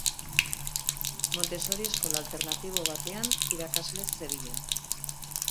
Montessori eskola alternatibo batean irakasle zebilen.